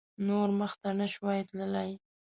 نور مخته نه شوای تللای.